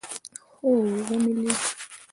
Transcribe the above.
هو ومې لېد.